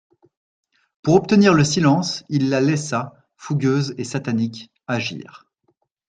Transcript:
Pour obtenir le silence, il la laissa, fougueuse et satanique, agir.